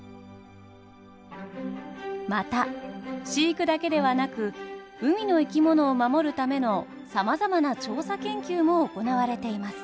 また飼育だけではなく海の生き物を守るためのさまざまな調査研究も行われています。